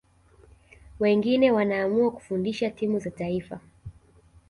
wengine wanaamua kufundisha timu za taifa